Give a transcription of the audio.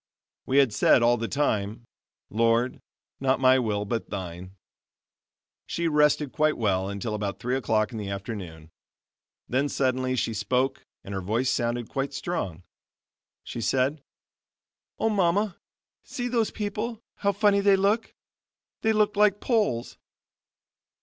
We had said all the time: "Lord, not my will, but thine." She rested quite well until about three o'clock in the afternoon; then suddenly she spoke and her voice sounded quite strong. She said: "Oh, Mama see those people, how funny they look! They look like poles."